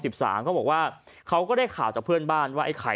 เขาบอกว่าเขาก็ได้ข่าวจากเพื่อนบ้านว่าไอ้ไข่